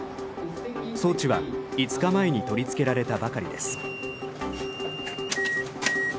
装置は５日前に取り付けられたばかりです。